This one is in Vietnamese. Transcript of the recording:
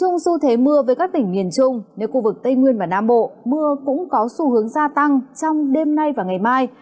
nếu khu vực tây nguyên và nam bộ mưa cũng có xu hướng gia tăng trong đêm nay và ngày mai